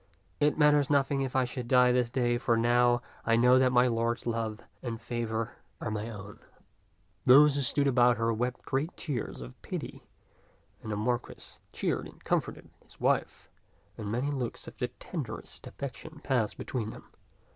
It matters nothing if I should die this day, for now I know that my lord's love and favor are my own." Those who stood about her wept great tears of pity, and the Marquis cheered and comforted his wife, and many looks of tenderest affection passed between them.